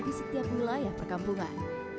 di setiap wilayah perkampungan